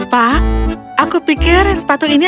pak aku pikir sepatu ini